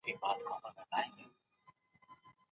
دا امکان لري چې خلک بیرته ناروغه شي.